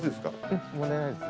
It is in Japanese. ええ問題ないです。